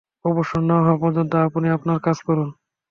অবসর না হওয়া পর্যন্ত আপনি আপনার কাজ করুন।